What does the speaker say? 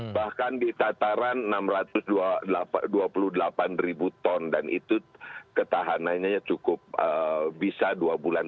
bahkan di tataran enam ratus dua puluh delapan ribu ton dan itu ketahanannya cukup bisa dua bulan